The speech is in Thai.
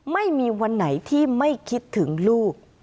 ไม่มีวันไหนที่ไม่คิดถึงลูก